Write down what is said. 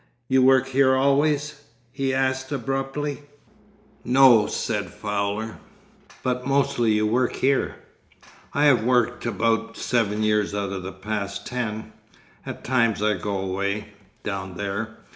'You work here always?' he asked abruptly. 'No,' said Fowler. 'But mostly you work here?' 'I have worked about seven years out of the past ten. At times I go away—down there.